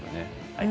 はい。